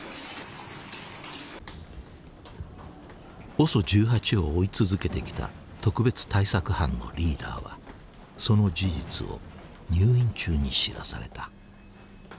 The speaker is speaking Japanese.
ＯＳＯ１８を追い続けてきた特別対策班のリーダーはその事実を入院中に知らされた。